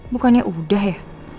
bukannya udah ya